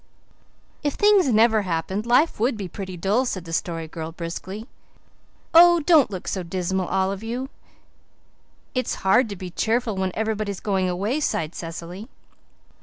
"If things never happened life would be pretty dull," said the Story Girl briskly. "Oh, don't look so dismal, all of you." "It's hard to be cheerful when everybody's going away," sighed Cecily.